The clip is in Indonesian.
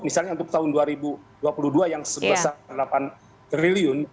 misalnya untuk tahun dua ribu dua puluh dua yang rp satu ratus delapan triliun